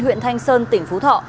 huyện thanh sơn tỉnh phú thọ